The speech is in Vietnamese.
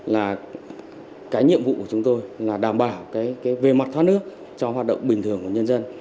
là cái nhiệm vụ của chúng tôi là đảm bảo cái về mặt thoát nước cho hoạt động bình thường